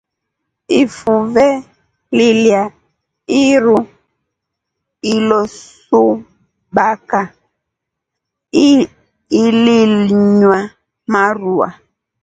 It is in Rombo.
Ifuve lilya iru ilosuBaka ilinywa maruva.